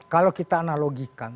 kalau kita analogikan